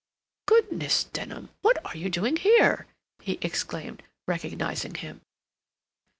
"Goodness, Denham, what are you doing here?" he exclaimed, recognizing him.